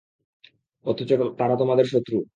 অথচ তারা তোমাদের শত্রু।